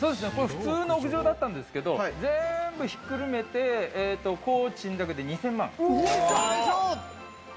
普通の屋上だったんですけど、全部ひっくるめて２０００万。